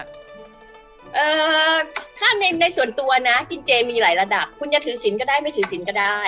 ถ้าในในส่วนตัวนะกินเจมีหลายระดับคุณจะถือศิลป์ก็ได้ไม่ถือศิลป์ก็ได้